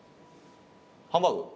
ハンバーグ？